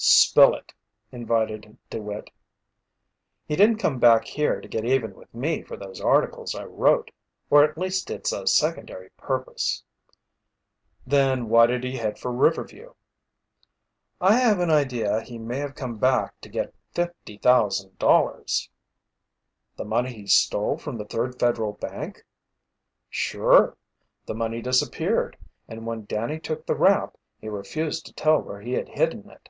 "Spill it," invited DeWitt. "He didn't come back here to get even with me for those articles I wrote or at least it's a secondary purpose." "Then why did he head for Riverview?" "I have an idea he may have come back to get $50,000." "The money he stole from the Third Federal Bank?" "Sure. The money disappeared, and when Danny took the rap, he refused to tell where he had hidden it.